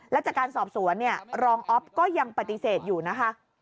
และจากการสอบสวนเนี่ยรองอ๊อฟก็ยังปฏิเสธอยู่นะคะ